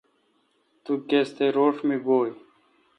تو کس تھ روݭ گویہ۔